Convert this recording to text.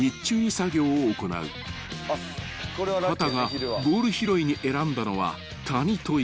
［秦がボール拾いに選んだのは］